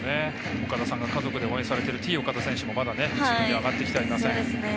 岡田さんが家族で応援されているＴ−岡田選手も戻ってきていません。